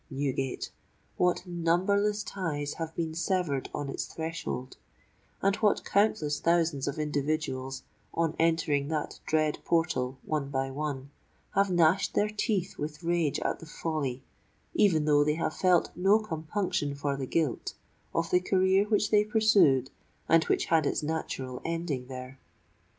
Newgate!—what numberless ties have been severed on its threshold;—and what countless thousands of individuals, on entering that dread portal one by one, have gnashed their teeth with rage at the folly, even though they have felt no compunction for the guilt, of the career which they pursued and which had its natural ending there!